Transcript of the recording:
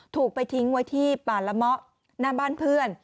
ถูกไปทิ้งไว้ที่ป่าละเมาะหน้าบ้านเพื่อน